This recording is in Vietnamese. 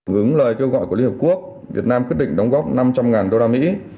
hướng lời kêu gọi của liên hợp quốc việt nam quyết định đóng góp năm trăm linh đô la mỹ